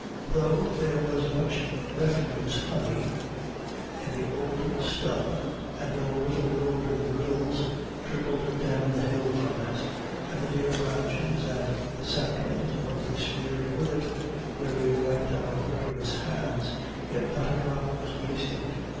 Though there was much refuse honey in the old stub, and though little golden rills trickled down the hill from it, and the near branches and saplings were besmeared with it where we wiped our murderous hands, yet not a drop was wasted.